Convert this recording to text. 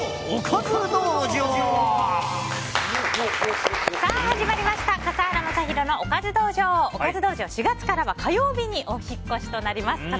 おかず道場、４月からは火曜日にお引越しとなります。